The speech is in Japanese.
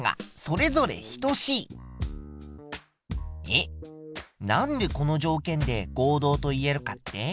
えっなんでこの条件で合同と言えるかって？